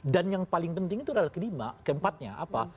dan yang paling penting itu adalah kelima keempatnya apa